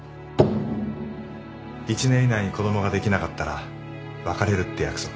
１年以内に子供ができなかったら別れるって約束